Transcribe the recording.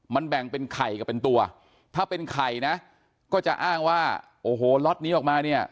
มันแบ่งเป็นไข่กับเป็นตัวถ้าเป็นไข่นะก็จะอ้างว่าโอ้โหล็อตนี้ออกมาเนี่ย